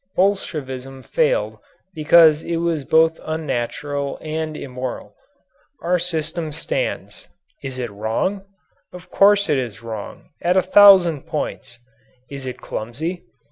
Bolshevism failed because it was both unnatural and immoral. Our system stands. Is it wrong? Of course it is wrong, at a thousand points! Is it clumsy?